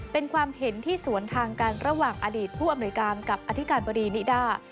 เป็นความเห็นที่สวนทางกันระหว่างอดีตผู้อำนวยการกับอธิการบดีนิด้า